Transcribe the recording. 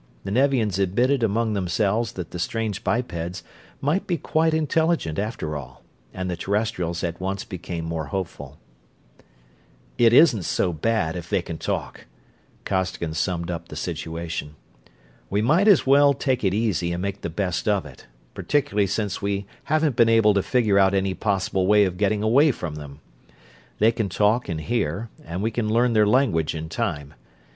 The Nevians admitted among themselves that the strange bipeds might be quite intelligent, after all; and the Terrestrials at once became more hopeful. "It isn't so bad, if they can talk," Costigan summed up the situation. "We might as well take it easy and make the best of it, particularly since we haven't been able to figure out any possible way of getting away from them. They can talk and hear, and we can learn their language in time.